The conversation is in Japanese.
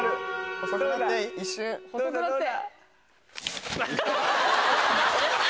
細くなって！